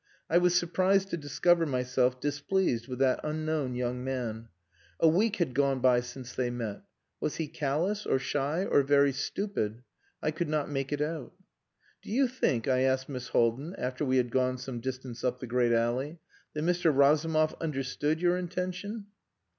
I was surprised to discover myself displeased with that unknown young man. A week had gone by since they met. Was he callous, or shy, or very stupid? I could not make it out. "Do you think," I asked Miss Haldin, after we had gone some distance up the great alley, "that Mr Razumov understood your intention?"